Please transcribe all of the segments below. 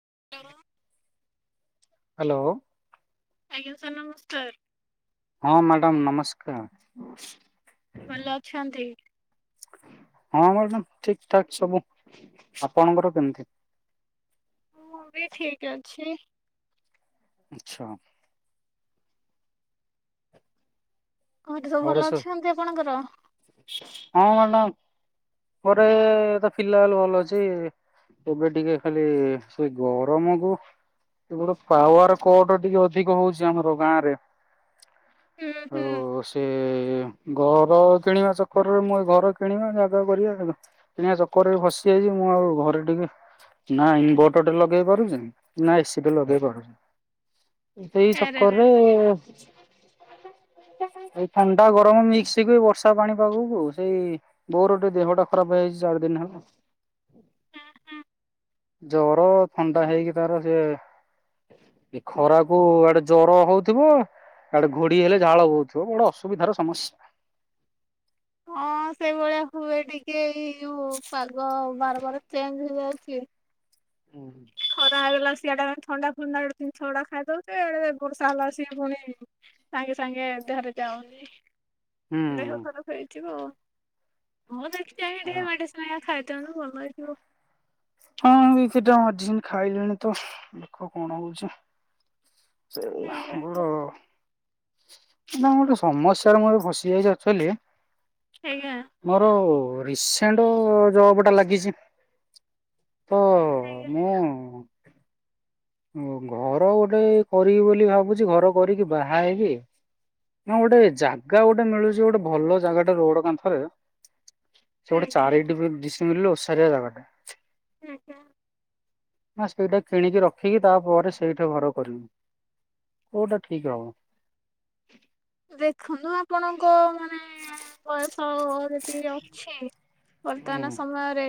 [unintelligible] Hello. ଆଜ୍ଞା sir ନମସ୍କାର। ହଁ ମ୍ୟାଡ଼ାମ ନମସ୍କାର। ଭଲ ଅଛନ୍ତି? ହଁ ମ୍ୟାଡ଼ାମ ଠିକ ଠାକ ସବୁ ଆପଣଙ୍କର କେମିତି ମୁଁ ବି ଠିକ ଅଛି। ଆଚ୍ଛା। ଘଅଠି ସବୁ ଭଲ ଅଛନ୍ତି ଆପଣଙ୍କର? ହଁ ମ୍ୟାଡ଼ାମ ଘରେ ପିଲା ବୋଲି ଭଲ ଅଛି ଏବେ ଟିକେ ଖାଲି ସେଇ ଗରମ କୁ ଏପଟେ ପାୱାର କଟ ଟିକେ ଅଧିକ ହୋଉଛି ଆମର ଗାଁ ରେ। ହୁଁ ହୁଁ [unintelligible] ଏ ଘର କିଣିବା ଚକରରେ ମୁଁ ଏଇ ଘର କିଣିବା ଜାଗା କରିବା କିଣିବା ଚକର ରେ ଫାସୀ ଯାଇଚି ଘରେ ଟିକେ ନ ଇଂଭୋଟର ଟେ ଲଗେଇପାରୁଛି ନ ଏସି ଟେ ଲଗେଇପାରୁଚି ସେଇ ଆରେ ଆରେ ଚକରରେ [inaudible] ଥଣ୍ଡା ଗରମ ମିସିକି ବର୍ଷା ପାଣି ପାଗକୁ ସେଇ ବୋଉର ଟିକେ ଦେହଟା ଖରାପ୍ ହେଇଯାଇଛି ଚାରିଦିନି ହବ। ହୁଁ ହୁଁ। ଜର ଥଣ୍ଡା ହେଇକି ତାର ସେ ଖରାକୁ ଆଡେ ଜର ହଉଥିବ ଆଡେ ଘୋଡି ହେଲେ ଝାଳ ବୋହୁଥିବ ବଡ ଅସୁବିଧା। ସୁବିଧାର ସମସ୍ୟା। ହଁ ସେଇଭଳିଆ ହୁଏ ଟିକେ ଏଇ ଯୋଉ ପାଗ ବାର। ପରେ ଚେଞ୍ଚ୍ ହେଇଯାଉଛି। ହୁଁ ନା ଲୋ ସିଆଡେଥଣ୍ଡା ଫଣ୍ଡା ଖାଇଦେଉଚେ ଆଡେ ବର୍ଷା ହେଲାବେଳକୁ ପୁଣି ସାଙ୍ଗେ ସାଙ୍ଗେ ଦେହରେ ଯାଉନି ଦେହ ଖରାପ୍ ହେଇଥିବ ଆଉ ମୁଁ ଦେଖ। ଚାହିଁ ଦିଏ ମେଡ଼ିସିନ ହେକା ଖାଇ ତେଣୁ ଭଲ ହେଇଯିବ। ହଁ ଏ ସେଟା ମେଡ଼ିସିନ ଖାଇଲେଣି ତ ଦେଖ କଣ ହଉଛି। ସେ ଆଜ୍ଞା ଆ। ନା ଗୋଟେ ସମସ୍ୟାରେ ମୁଏବେ ଫସି ଯାଇଛି ଆକଚୁଆଲି ଆଜ୍ଞା ମୋର। ରିସେଣ୍ଟ ଜବ ଟା ଲାଗିଛି। ତ ଆଜ୍ଞା ମୁଁ। ଘର ଗୋଟେ କରିବି ବୋଲି ଭାବୁଛି ଘର କରିକି ବାହା ହେଇବି ନା ଗୋଟେ ଜାଗା ଗୋଟେ ମିଳୁଛି ଗୋଟେ ଭଲ ଜାଗାଟେ ରୋଡ କାନ୍ଥରେ। ସେ ଗୋଟେ ଆଜ୍ଞା ଚାରିଡି। ଫୁଲ ଓସାରିଆ ଜାଗାଟେ। ଆଜ୍ଞା। ହ ସେ ସେଇଟା କିଣିକି ରଖ। ଠିକ ତାପରେ ସେଇଠା ଘର କରିବୁ କୋଉଟା ଠିକ ହବ। ଦେଖନ୍ତୁ ଆପଣଙ୍କ। ମାନେ ବୟସ। ତିି ଅଛି। ବର୍ତ୍ତମାନ ହୁଁ। ସମୟରେ।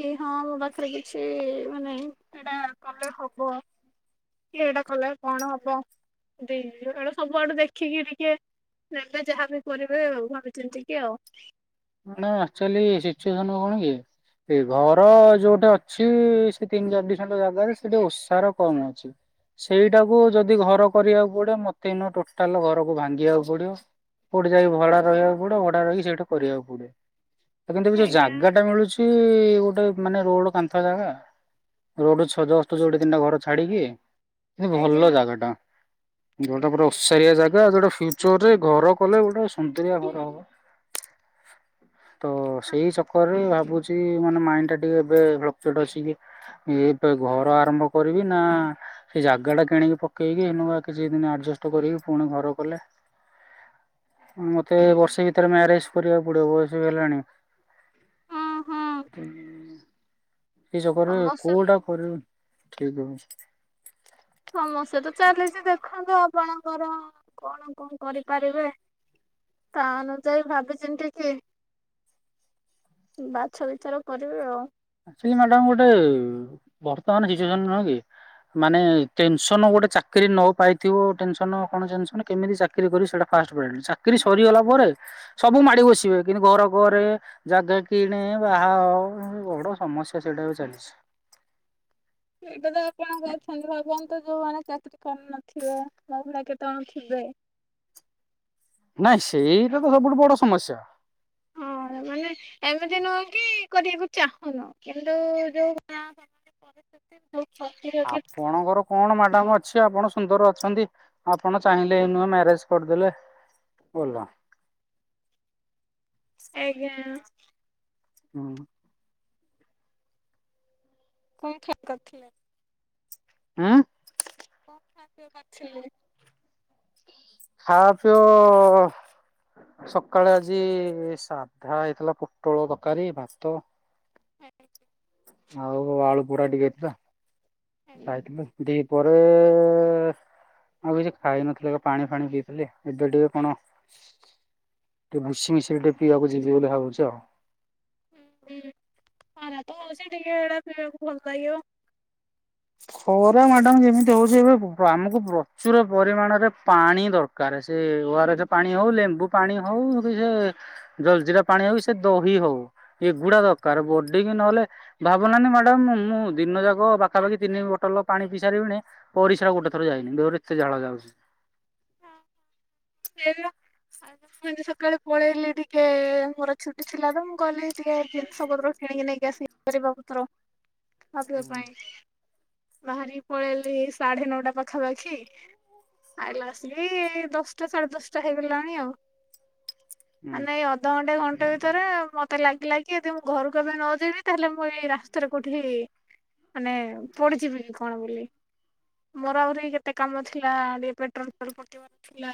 କି ହଁ ମୋ ପାଖରେ କିଛି ମାନେ ଏଇଟା କଲେ ହବ କି ଏଇଟା କଲେ କଣ ହବ ଏଇଟା ସବୁଆଡେ ଦେଖିକି। ଟେ ଏବେ ଯାହାବି କରିବେ ଭାବି ଚିନ୍ତିକି ଆଉ। ନା ଆକ୍ଚୁଆଲି ସିଚୁଏସନ କଣ କି ଘର ଯୋଉଟେ ଅଛି ସେ ତିନି ଚାରି ଦିଶଟ ଜାଗାରେ ସେଠି ଓଷାର କମ ଅଛି ସେଇଟାକୁ ଯଦି ଘର କରିବାକୁ ପଡିବ ମତେ ଟୋଟାଲ ଘରକୁ ଭାଙ୍ଗିବାକୁ ପଡିବ କୋଉଠେ ଯାଇକ ଭଡା ରହିବାକୁ ପଡିବ ଭଡା ରହିକି ସେଇଟା କରିବାକୁ ପଡିବ। ଫଡ଼। [inaudible] କିନ୍ତୁ ଯୋଉ ଆଜ୍ଞା ଜାଗା ଟା ମିଳୁଚଛି ଗୋଟେ। ଗୋଟେ ମାନେ ରୋଡ କାନ୍ଥ ଜାଗା ରୋଡଛଜଷ୍ଟ ତିନିଟା ଘର ଛାଡିକି। କି ଆଜ୍ଞା ଭଲ ଜାଗା ଟା। ଯୋଉଟା ପୁରାଓସାରିଆ ଜାଗା ଯଉଟା ଫିଉଚରରେ ଘର କଲେ ଗୋଟେ ସୁନ୍ଦରିଆ ଘର ହବ। ତ ସେଇ ଚକରରେ ଭ। ମାନେ ମାଇଣ୍ଡ ଟା ଟିକେ ଏ ବେ ଘର ଆରମ୍ଭ କରିବି ନା ସେ ଜାଗା ଟା କିଣିକି ପକେଇକି କିଛି ଦିନ ଆଡଷ୍ଟ କରିକି ପୁଣି ଘର କଲେ ମତେ ବର୍ଷେ ଭିତରେ ମ୍ୟାରେଜ କରିବାକୁ। ବୁଢେ ବୟସ ହେଲେଣି। ହଁ ହଁ କିସ କରିବ ସମସ୍ୟା କୋଉଟା ତ କରିବ। ଠିକ ଅଛି। ସମସ୍ୟା ତ ଚାଲିଛି ଦେଖନ୍ତୁ ଆପଣଙ୍କର କଣ କଣ କରିପାରିବେ ତା ଅନୁଯାୟୀ ଭାବିଛନ୍ତି କି ବାଛ ବିଛର କରିବେ ଆଉ। ଏକ ଚୁଳି ମ୍ୟାଡ ଗୋଟେ ବର୍ତ୍ତମାନ ସିଚୁଏସନ ନୁହେଁ କି ମାନେ ଟେନସନ ଗୋଟେ ଚାକିର ନ ପାଇଥିବ ଟେନସନ କଣ ଟେନସନ କେମିତି ଚାକିରରି କରି ସେଟା ଫାଷ୍ଟ ଚାକିରି ସରିଗଲା ପରେ ସବୁ ମାଡି ବସିବେ କିନ୍ତୁ ଘର ଘରେ ଜାଗା କିଣେ ବାହା ହୋ ବଡ ସମସ୍ୟା ସେଇଟାକୁ ଚାଲିଛି। ଏଇଟା ତ କଣ କରଛନ୍ତି ଭାବ। ତ ଯୋଉମାନୋନ ଚାକିରୀ କରି ନଥିବେ ମ ଭଳା କେତେ କଣ ଥିବେ। ନାଇଁ ସେଇଟା ତ ସବୁଠୁ ବଡ ସମସ୍ୟା। କେମିତି ନୁହେଁ କି କରିବାକୁ ଚାହୁଁନୁ କିନ୍ତୁ ଯୋଉ ନ ଆପଣଙ୍କର କଣ ମ୍ୟାଡାମ୍ ଅଛି ଆପଣ ସୁନ୍ଦର ଅ ଅଛନ୍ତି ଆପଣ ଚାହିଁଲେ ନୁହେଁ ମ୍ୟାରେଜ କରିଦେଲେ ଗଲା। ଆଜ୍ଞା। ହୁଁ। କଣ ଖି [unintelligible] କରିଥିଲେ? ଉଁ? କଣ ଖାଆ ପିଆ କରିଥିଲେ? ଖାଆ ପିଅ ସକାଳେ ଆଜି ସାଧା ହେଇଥିଲା ପୋଟଳ ତରକାରୀ ଭାତ। ଆଜ୍ଞା। ଆଉ ଆଳୁ ପୋଡ଼ା ଟିକେ ହେଇଥିଲା। ଖାଇଥିଲ କି? ଦି ପରେ-ରେ-ରେ ମୁ କିଛି ଖାଇନଥିଲେ। ପାଣି ଫାଣି ପିଇଥିଲେ। ଏବେ ଟିକେ କଣ ଟିକେ ଭୁସି ମିସେଇ ଟିକେ ପିଇବାକୁ ଯିବି ବୋଲି ଭାବୁଛି ଆଉ। ହୁଁ [unintelligible] ଟିକେ ହେଡା ପିଇବାକୁ ଭଲ ଲାଗିବ। ଖରା ମ୍ୟାଡାମ ଯେମିତି ହଉଛି ଏବେ ଆମକୁ ପ୍ରଚୁର ପରିମାଣରେ ପାଣି ଦରକାର। ସେ ଓ ଆର ଏସ ପାଣି ହଉ ଲେମ୍ବୁ ପାଣି ହଉ କି ସେ ଜଲଜିିରା ପାଣି ହଉ ସେ ଦହି ହଉ ଏଗୁଡା ଦରକାର। ବଡିିକ ନହେଲେ ଭାବୁନାହାନ୍ତି ମ୍ୟାଡ଼ାମ ମୁଁ ଦିନ ଯାକ ବା ପାଖାପାଖି ତିନି ବୋଲ ପାଣି ପିଇଶାରିବିଣି। ପରିଶା ଗୋଟେ ଥର ଯାଇନି ଦେ କେତେ ଝାଳ ଯାଉଛି। ହେ ଆଉ ମୁଁ ଏ ସକାଳେ ପଳେଇଲି ଟିକେ ମୋର ଛୁଟି ଥିଲା ତ ମୁଁ ଗଲି ଟିକେ ଜିନିଷ ପତ୍ର କିଣିକି ନେଇକି ଆସି ପରିବା ପତ୍ର ଅଧିକ ପାଇଁ ବାହାରି ପଳେଇଲି ସାଢେ ନଅଟା ପାଖାପାଖି ଆଲା ଆସିଲି ଦଶଟା। ଦଶଟା ସାଢେ ଦଶଟା ହେଇଗଲାଣି ଆଉ। ହୁଁ ନାଇଁ ଅଧଘଣ୍ଟେ ଘଣ୍ଟେ ଭିତରେ ମତେ ଲାଗି ଲାଗି ଯଦି ମୁଁ ଘରକୁ ଏବେ ନ ଯେଇବି ତାହେଲେ ମୁଁ ଏଇ ରାସ୍ତାରେ କୋଉଠି ମାନେ ପଡିଯିବି କଣ ବୋଲି ମୋର ଆହୁରି କେତେ କାମ ଥିଲା ଟିକେ ପେଟ୍ରୋଲ ଫେଟ୍ରୋଲ ପକେଇବାର ଥିଲା।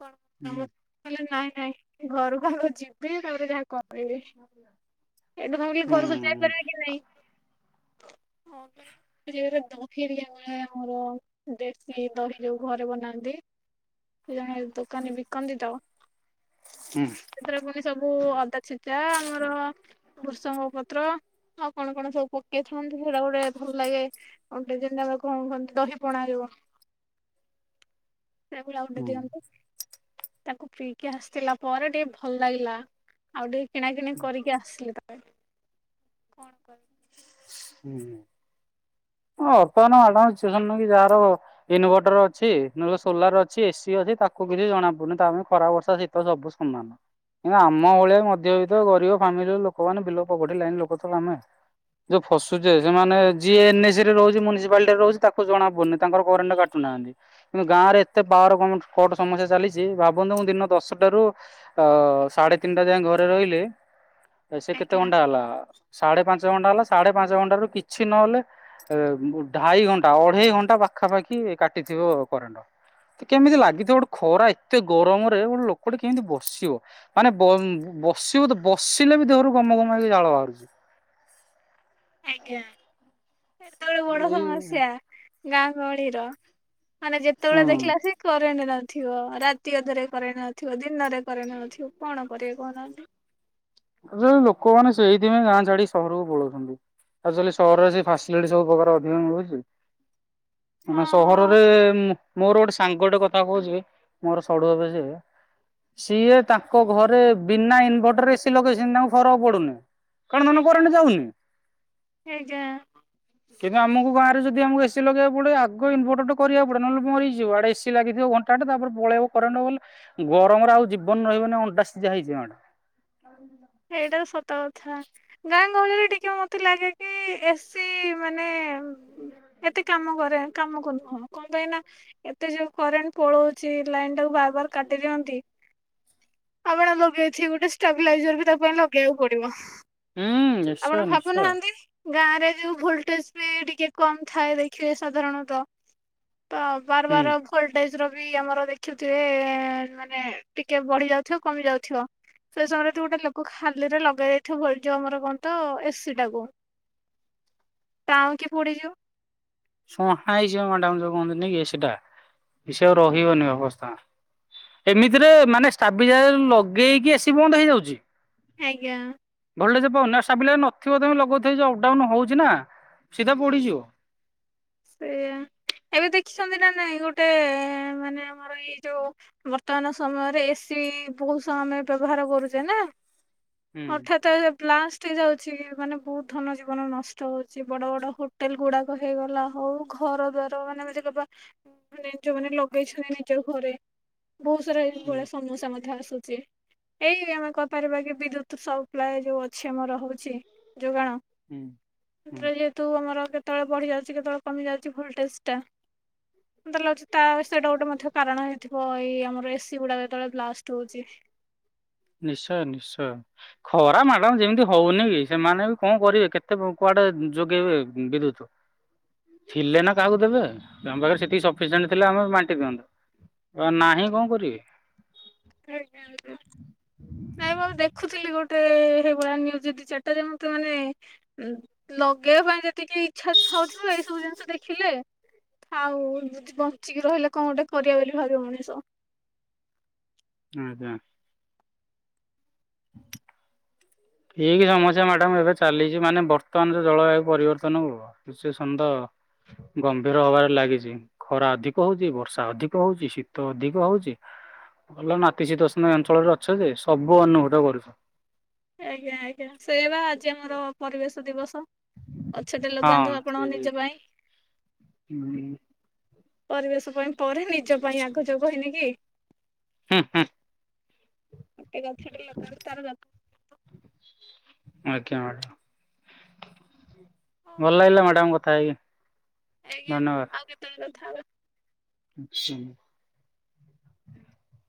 କଣ [inaudible] ହୁଁ ନାଇଁ। ନାଇଁ ଘରକୁ ଆଗ ଯିବି ତାପରେ ଯାହା କଣ କହିବି ଏଠୁ ଥାଉକି କି ଘରକୁ ହୁଁ ଯାଇପାରିବା କି ନାଇଁ? [unintelligible] ଦହି ଟିକେ ବନାଏ ଆମର ଦେଶୀ ଦହି ଯୋଉ ଘରେ ବନାନ୍ତି। ଜଣ ଦୋକାନରେ ବିକନ୍ତି ତ। ହୁଁ ସେଥିର ଫୁଣି ସବୁ ଅଦା ଛେଚା ଆମର ବୃଷଙ୍ଗ ପତ୍ର ଆଉ କଣ କଣ ସବୁ ପକେଇଥାନ୍ତି। ସେଇଟା ଗୋଟେ ଭଲ ଲାଗେ ଗଟେ ଯେମ କଣ କୁହନ୍ତି ଦହି ପଣା ଯିବ ସେଭଳିଆ ଆଉ ଗୋଟେ ହୁଁ ଦିଅନ୍ତି। ତାକୁ ପିଇକି ଆସିଥିଲା ପରେ ଟିକେ ଭଲ ଲାଗିଲା। ଆଉ ଟିକେ କିଣାକିଣି କରିକି ଆସିଲେ ତା କଣ କର? ହୁଁ ବର୍ତ୍ତମାନ ମ୍ୟାଡ଼ାମ କି ଯାହାର ଇନଭର୍ଟର ଅଛି ନେ ସୋଲାର ଅଛି ଏସିି ଅଛି ତାକୁ କିଛି ଜଣା ପଡ଼ୁନି ତା ପାଇଁ ଖରା ବର୍ଷା ଶୀତ ସବୁ ସମାନ। କିନ୍ତୁ ଆମ ଭଳିଆ ମଧ୍ୟ ବି ଗରିବ ଫାମିଲି ଲୋକମାନେ ବିଲ ପକିଲେଣିି ଲୋକ ତ ଆମେ ଫସୁଛେ ସେମାନେ ଯିଏ ଏନ୍ ଏସ ରେ ରହୁଛି ମୁନିସିପାଲିଟିରେ ରହୁଛି ତାକୁ ଜଣା ପଡୁନି ତାଙ୍କର କରେଣ୍ଟ କାଟୁନାହାନ୍ତି। କିନ୍ତୁ ଗାଁରେ ଏତେ ପାୱାର କ କଟ ସମସ୍ୟା ଚାଲିଛି ଭାବନ୍ତୁ ମୁଁ ଦିନ ଦଶଟାରୁ ସାଢେ ତିନିଟା ଯାଏ ଘରେ ରହିଲି ଏ ସେ କେତେ ଆଜ୍ଞା ଘଣ୍ଟା ହେଲା ସାଢେ ପାଞ୍ଚ ଯେତେ ଘଣ୍ଟା ହେଲା ସେ ସାଢେ ପାଞ୍ଚ ଘଣ୍ଟା ରୁ କିଛି ନହେଲେ ଉ ଢାଇ ଘଣ୍ଟା ଅଢେଇ ଘଣ୍ଟା ପାଖାପାଖି କାଟିଥିବ କରେଣ୍ଟ। କେମିତି ଲାଗିଥିବ ଗୋଟେ ଖରା ଏତେ ଗରମରେ ଗୋଟେ ଲୋକଟେ କେମିତି ବସିବ। ମାନେ ବସିବ ତ ବସିଲେ ବି ଦେହରୁ ଗମଘମ ହେଇକି ଜାଳ ବାହାରୁଛି। ଆଜ୍ଞା। ସେତେବେଳେ ବଡ ଏଇ ସମସ୍ୟା। ଗାଁ ଗହଳିର ମାନେ ଯେତେବେଳେ ଦେଖିଲା ଆସିକି କରେଣ୍ଟ ନ ଥିବ, ରାତି ଅଧରେ କରେଣ୍ଟ ନଥିବ ଦିନରେ କରେଣ୍ଟ ନଥିବ କଣ କରିବେ କହୁନାହାନ୍ତି। ଆଜିକଲି ଲୋକମାନେ ସେଇଥିପାଇଁ ଗାଁ ଛାଡିିକ ସହରକୁ ପଳଉଛନ୍ତି। ଆକ୍ଚୁଲି ସହରରେ ସେ ଫାସିଲିଟି ସବୁ ପ୍ରକାର ଅଧିକ ମିଳୁଛି। ହଁ ମାନେ ହଁ ସହରରେ ମୋର ଗୋଟେ ସାଙ୍ଗଟେ କଥା କହୁଛି ମୋର ସଢୁ ହେବେ ସିଏ। ସିଏ ତାଙ୍କ ଘରେ ବିନା ଇନ୍ଭେଟର ରେ ସେ ଲଗେଇଛନ୍ତି ତାଙ୍କୁ ଫରକ ପଡୁନି। ମାନ ହେଇଯା କରେଣ୍ଟ ଯାଉନି ହେଇଯ କିନ୍ତୁ ଆମକୁ ଗାଁରେ ଯଦି ଆମକୁ ଏସି ଲଗେଇବାକୁ ପଡିବ ଆଗ ଇନଭର୍ଟର ଟା କରିବାକୁ ପଡ଼ିବ। ନହେଲେ ମରିଯିବ ଆଡେ ଏସି ଲାଗିଥିବ ଘଣ୍ଟାଟେ ତାପରେ ପଳେଇବ କରେଣ୍ଟ ବଲେ ଗରମରେ ଆଉ ଜୀବନ ରହିବନି ଅଣ୍ଡା ସିଝା ହେଇଯିବ। ମ୍ୟାଡ଼ାମ। ଏଇଟା ସତ କ କଥା ଗାଁ ଗହଳିରେ ଟିକେ ମୋତେ ଲାଗେ କି ଏସି ମାନେ ଏତେ କାମ କରେ କାମ କରନି ହଁ କଣ ପାଇଁ ନା ଏତେ ଯୋଉ କରେଣ୍ଟ ପଳଉଛି ଲାଇନ ଟାକୁ ବାର ବାର କାଟି ଦିଅନ୍ତି। ଆପଣ ଲଗେଇଛି ଗୋଟେ ଷ୍ଟାବିଲାଇଜର ବି ତାକୁ ପାଇଁ ଲଗେଇବାକୁ ପଡିବ ହୁଁ ନିଶ୍ଚୟ ଆପଣ ନିଶ୍ଚୟ ଭାବୁନାହାନ୍ତି। ଗାଁରେ ଯୋଉ ଭୋଲଟେଜ ବି ଟିକେ କମ୍ ଥାଏ ଦେଖିବେ ସାଧାରଣତଃ। ତ ବାର ହୁଁ। ବାର ଭୋଲଟେଜ ର ବି ଆମର ଦେଖୁଥିବେ ମାନେ ଟିକେ ବଢି ଯାଉଥିବ କମି ଯାଉଥିବ। ସେ ସମୟରେ ଯଦି ଗୋଟେ ଲୋ କ ଖାଲିରେ ଲଗେଇ ଦେଇଥିବ। ଏ ଯୋଉ ଆମର କଣ ତ ଏସି ଟା କୁ। ତାଉଁକି ପୋଡିଯିବ। ସୁହା ହେଇଯିବ ମ୍ୟାଡାମ ଯୋଉ କହନ୍ତିନ କି ସେଟା କି ସେ ଆଉ ରହିବନି ଅବସ୍ଥା। ଏମିତିରେ ମାନେ ଷ୍ଟାବିଲାଇଯାର ଲଗେଇକି ଏସି ବନ୍ଦ ହେଇଯାଉଛି। ଆଜ୍ଞା। ଭୋଲ୍ଟେଜ ପାଉନି ଷ୍ଟାବଳାଇଯାର ନଥିବ ତମେ ଲଗଉଥିବ। ଯୋଉ ଅପ୍ ଡାଉନ୍ ହଉଛି ନା ସିଧା ପୋଡିଯିବ। ସେଇୟା ଏବେ ଦେଖ ଛନ୍ତି ନା ନାଇଁ ଗୋଟେ ମାନେ ଆମର ଏଇ ଯୋଉ ବର୍ତ୍ତମାନ ସମୟରେ ଏସି ବହୁତ ଆମେ ବ୍ୟବହାର କରୁଛେ ନା। ହୁଁ ହଠାତ୍ ବ୍ଲାସ କ ଯାଉଛି ମାନେ ବହୁତ ଧନ ଜୀବନ ନଷ୍ଟ ହଉଛି। ବଡ ବଡ ହୋଟେଲ ଗୁଡାକ ହେଇଗଲା। ହଉ ଘର ଦ୍ୱାର ମାନେ ମ କବା ମାନେ ଯୋଉମାନେ ଲଗେଇଛନ୍ତି ନିଜ ଘରେ ବହୁତ ସାରା ହୁଁ। ଏଇଭଳିଆ ସମସ୍ୟା ମଧ୍ୟ ଆସେ। ଛି ଏଇ ଆମେ କହିପାରିବା କି ବିଦ୍ୟୁତ ସପ୍ଲାଏ ଯୋଉ ଅଛି ଆମର ହଉଛି ଯୋଗାଣ ହୁଁ ହୁଁ ଆମର ଯେହେତୁ ଆମର। କେତେବେଳେ ବଢଢିଯାଉଛି କେତେବେଳେ କମି ଯାଉଛି ଭୋଲଟେଜଟା ମତେ ଲାଗୁଛି ତା ସେଟା ଗୋଟେ ମଧ୍ୟ କାରଣ ହେଇଥିବ। ଏଇ ଆମର ଏସି ଗୁଡା ଯେତେବେଳେ ବ୍ଲାଷ୍ଟ ହଉଛି। ନିଶ୍ଚୟ ନିଶ୍ଚୟ ଖରା ମଡ଼ାମ ଯେମିତି ହଉନି କି ସେମାନେ ବି କଣ କରିବେ। କେତେ କୁଆଡେ ଯୋଗେଇବେ ବିଦ୍ୟୁତ ଥିଲେ ନା କାହାକୁ ଦେବେ। ତମ ପାଖରେ ସେତିକି ସଫିସିଣ୍ଟ ଥିଲେ ଆମେ ବାଣ୍ଟି ଦିଅନ୍ତୁ ଆ ନାହିଁ କଣ କରିବେ। [unintelligible] ନାଇଁ ଆଉ ମୁ ଦେଖୁଥିଲି ଗୋଟେ ଏଇଭଳିଆ ନିୟୁଜ୍ ଦି ଚାରିଟା। ଯେ ମତେ ମାନେ ଲଗେଇବା ପାଇଁ ଯେତିକି ଇଚ୍ଛା ଥା ହଉଥିବ। ଏଇ ସବୁ ଜିନିଷ ଦେଖିଲେ ଆଉ ବଞ୍ଚିକି ରହିଲେ କଣ ଗୋଟେ କରିବା ବୋଲି ଭାବିବ ମଣିଷ। ହୁଁ ହୁଁ। ଠିକ ସମସ୍ୟା ମ୍ୟାଡାମ ଏବେ ଚାଲିଛି। ମାନେ ବର୍ତ୍ତମାନ ଯଉ ଜଳବାୟୁ ପରିବର୍ତ୍ତନ କୁ ସିଚୁଏସନ୍ ତ ଗମ୍ଭୀର ହବାରେ ଲାଗିଛି। ଖରା ଅଧିକ ହଉଛି ବର୍ଷା ଅଧିକ ହଉଛି ଶୀତ ଅଧିକ ହଉଛି ଭଲ ନାତିଶୀତୋଷ୍ଣ ଅଞ୍ଚଳରେ ଅଛ ଯେ ସବୁ ଅନୁଭୂତ କରୁଛ। ଆଜ୍ଞା ଆଜ୍ଞା ସେଇବା ଆଜି ଆମର ପରିବେଶ ଦିବସ ଅଛଟେ ଲଗାନ୍ତୁ ହଁ। ଆପଣଙ୍କ ନିଜ ପାଇଁ। ହୁଁ। ପରିବେଶ ପାଇଁ ପରି ନିଜ ପାଇଁ ଆଗେ ଯୋଗ ହେଇନି କି? ହୁଁ ଏ ଗଛ ଟା ଲଗାନ୍ତୁ ତାର ଜତ୍ ଆଜ୍ଞା ମ୍ୟାଡାମ୍ ହଉ ଭଲ ଲାଗିଲା ମ୍ୟାଡାମ୍ କଥା ଆଜ୍ଞା। ଆଜ୍ଞା ଆଉ କେତେବେଳେ ତା ଥାବେ। [unintelligible]